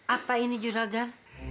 apa ini juragan